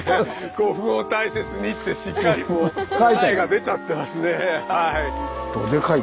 「古墳を大切に」ってしっかりもう答えが出ちゃってますね。